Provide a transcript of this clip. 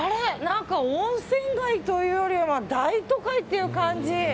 何か温泉街というよりは大都会っていう感じ。